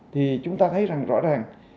thì chúng ta thấy rằng rõ ràng